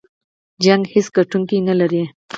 جګړه هېڅ ګټوونکی نلري!